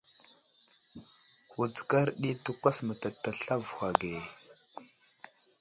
Wutskar ɗi təkwas mətatasl avohw age.